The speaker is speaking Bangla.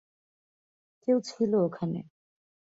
কেউ ছিল ওখানে।